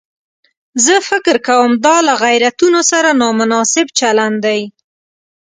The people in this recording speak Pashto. زه فکر کوم دا له غیرتونو سره نامناسب چلن دی.